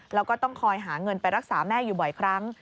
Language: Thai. แล้วก็ต้องคอยหาเงินไปรักษาแม่อยู่บ่อยครั้ง